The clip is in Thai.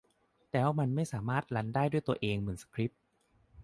แต่ว่ามันไม่สามารถรันได้ด้วยตัวเองเหมือนสคริปต์